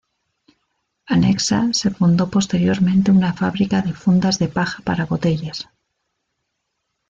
Anexa se fundó posteriormente una fábrica de fundas de paja para botellas.